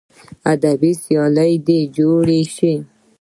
ادبي سیالۍ دې جوړې سي.